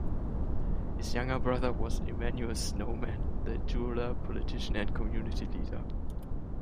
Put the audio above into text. His younger brother was Emanuel Snowman, the jeweller, politician and community leader.